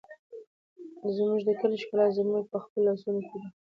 زموږ د کلي ښکلا زموږ په خپلو لاسونو کې ده.